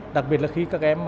đặc biệt là khi các em